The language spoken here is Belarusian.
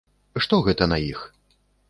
Што гэта на іх?